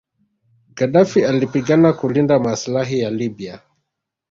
Gadaffi alipigana kulinda maslahi ya Libya